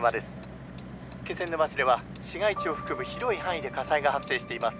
気仙沼市では市街地を含む広い範囲で火災が発生しています」。